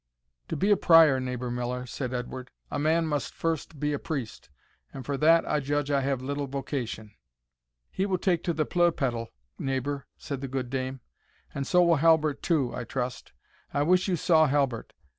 "To be a Prior, neighbour Miller," said Edward, "a man must first be a priest, and for that I judge I have little vocation." "He will take to the pleugh pettle, neighbour," said the good dame; "and so will Halbert too, I trust. I wish you saw Halbert.